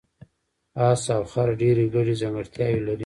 اس او خر ډېرې ګډې ځانګړتیاوې لري.